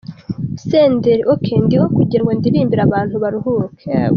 Senderi: Ok! Ndiho kugira ngo ndirimbire abantu baruhuke.